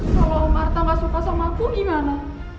kalau om arta gak suka sama aku gimana